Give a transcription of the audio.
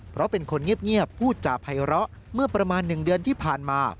เพราะเป็นคนเงียบพูดจาภัยร้อเมื่อประมาณ๑เดือนที่ผ่านมา